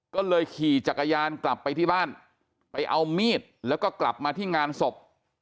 ก็เลยขี่จักรยานกลับไปที่บ้านไปเอามีดแล้วก็กลับมาที่งานศพ